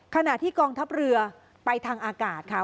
ขณะที่กองทัพเรือไปทางอากาศค่ะ